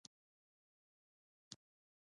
د لوبې ریفري باید عادل وي.